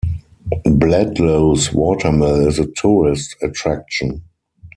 Bledlow's watermill is a tourist attraction.